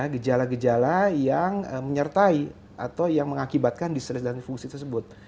gejala gejala yang menyertai atau yang mengakibatkan distres dan fungsi tersebut